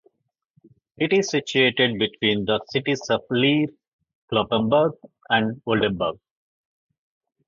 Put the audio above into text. It is situated between the cities of Leer, Cloppenburg, and Oldenburg.